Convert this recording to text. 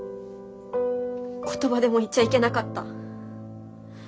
言葉でも言っちゃいけなかった。